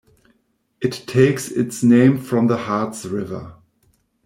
It takes its name from the Harts River.